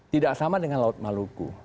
tidak sama dengan laut maluku